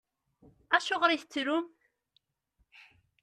Acuɣeṛ i tettrum?